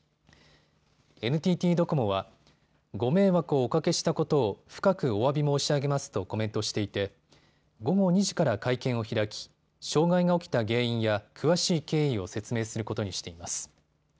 ＮＴＴドコモはご迷惑をおかけしたことを深くおわび申し上げますとコメントしていて午後２時から会見を開き障害が起きた原因や詳しい経緯を説明することにしています。